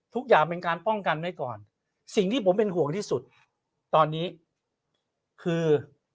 ทุกอย่างเป็นการป้องกันไว้ก่อนสิ่งที่ผมเป็นห่วงที่สุดตอนนี้คือ